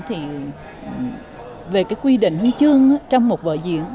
thì về cái quy định huy chương trong một vở diễn